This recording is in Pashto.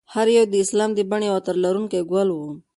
هر یو یې د اسلام د بڼ یو عطر لرونکی ګل و.